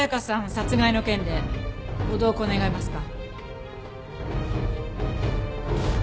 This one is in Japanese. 殺害の件でご同行願えますか？